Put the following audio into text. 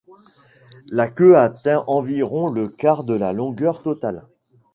La queue atteint environ le quart de la longueur totale.